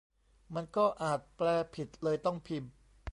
มันก็อาจแปลผิด เลยต้องพิมพ์